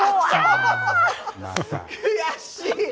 悔しい。